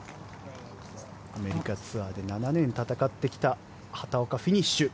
アメリカツアーで７年戦ってきた畑岡フィニッシュ。